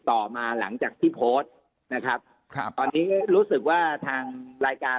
ต่อมาหลังจากที่โพสต์นะครับครับตอนนี้รู้สึกว่าทางรายการ